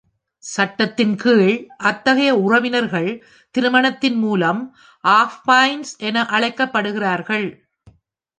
சட்டத்தின் கீழ், அத்தகைய உறவினர்கள் திருமணத்தின் மூலம் அஃபைன்ஸ் என அழைக்கப்படுகிறார்கள்.